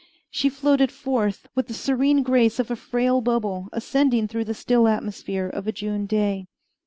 She floated forth with the serene grace of a frail bubble ascending through the still atmosphere of a June day.